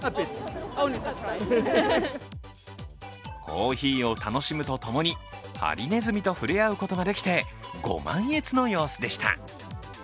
コーヒーを楽しむとともに、ハリネズミと触れ合うことができてご満悦の様子でした。